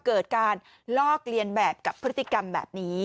เกิดการลอกเลียนแบบกับพฤติกรรมแบบนี้